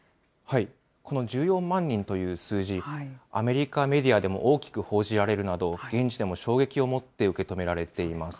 この１４万人という数字、アメリカメディアでも大きく報じられるなど、現地でも衝撃をもって受け止められています。